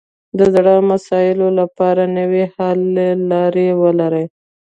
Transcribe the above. د زړو مسایلو لپاره نوې حل لارې ولري